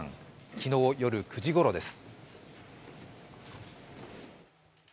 昨日夜９時ごろです。